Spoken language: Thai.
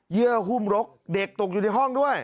เยื่อหุ้มรกเด็กตกอยู่ในห้องด้วย